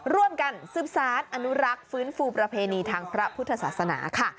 ร่วมกันสืบสารอนุรักษ์ฟื้นฟูประเพณีทางพระพุทธศาสนาค่ะ